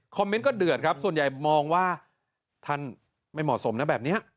เมนต์ก็เดือดครับส่วนใหญ่มองว่าท่านไม่เหมาะสมนะแบบนี้